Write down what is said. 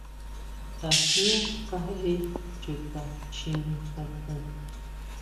¿Tajñu kajeʼe chuta Chjine xujun?